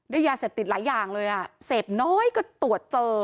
ยาเสพติดหลายอย่างเลยอ่ะเสพน้อยก็ตรวจเจอ